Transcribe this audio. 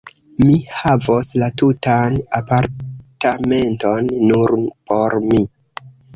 Mi havos la tutan apartamenton, nur por mi!